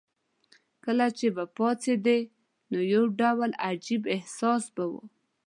کله چې به راپاڅېدې نو یو ډول عجیب احساس به وو.